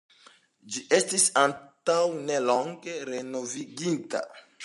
Ĝi estis antaŭnelonge renovigita.